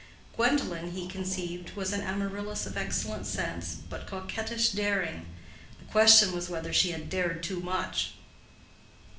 Gwendolen, he conceived, was an Amaryllis of excellent sense but coquettish daring; the question was whether she had dared too much.